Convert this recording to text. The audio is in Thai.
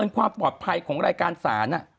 เป็นความปลอดภัยของรายการศาล